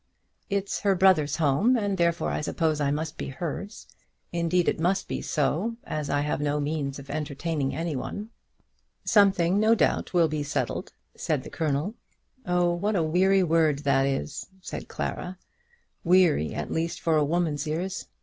"It's her brother's home, and therefore I suppose I must be hers. Indeed it must be so, as I have no means of entertaining any one." "Something, no doubt, will be settled," said the Colonel. "Oh, what a weary word that is," said Clara; "weary, at least, for a woman's ears!